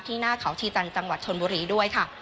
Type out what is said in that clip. หน้าเขาชีจันทร์จังหวัดชนบุรีด้วยค่ะ